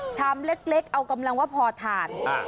ชามเล็กเอากำลังว่าพอทาน